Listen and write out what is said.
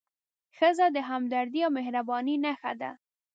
ښځه د همدردۍ او مهربانۍ نښه ده.